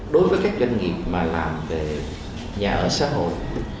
đối với các doanh nghiệp mà làm về nhà ở xã hội